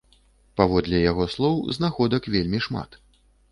Паводле яго слоў, знаходак вельмі шмат.